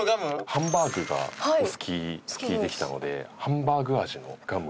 ハンバーグがお好きと聞いてきたのでハンバーグ味のガムを。